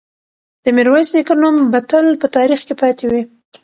د میرویس نیکه نوم به تل په تاریخ کې پاتې وي.